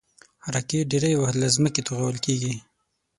راکټ ډېری وخت له ځمکې توغول کېږي